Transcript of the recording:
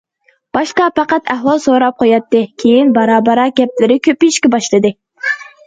باشتا پەقەت ئەھۋال سوراپ قوياتتى، كېيىن بارا- بارا گەپلىرى كۆپىيىشكە باشلىدى.